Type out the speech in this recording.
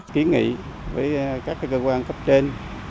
kiến nghị với các cơ quan cấp trên